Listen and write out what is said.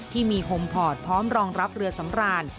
ที่มีโฮมพอร์ตพร้อมรองรับเรือสำราน